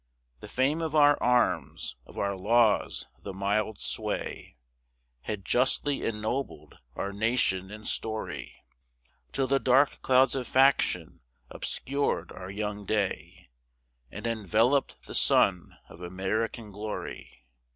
The fame of our arms, of our laws the mild sway, Had justly ennobled our nation in story, Till the dark clouds of faction obscured our young day, And enveloped the sun of American glory.